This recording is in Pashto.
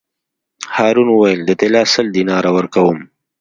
هارون وویل: د طلا سل دیناره ورکووم.